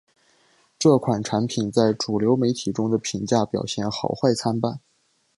这款产品在主流媒体中的评价表现好坏参半。